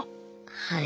はい。